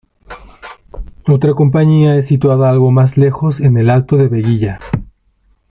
Otra compañía es situada algo más lejos en el alto de Veguilla.